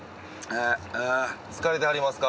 疲れてはりますか？